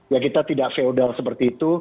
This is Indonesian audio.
ya kita tidak feodal seperti itu